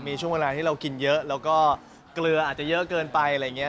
มีช่วงเวลาที่เรากินเยอะแล้วก็เกลืออาจจะเยอะเกินไปอะไรอย่างนี้